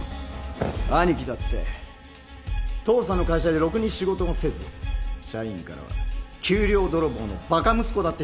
兄貴だって父さんの会社でろくに仕事もせず社員からは給料泥棒のバカ息子だって評判だよ！